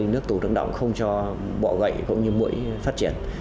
những nơi nước tủ tấn động không cho bọ gậy cũng như mũi phát triển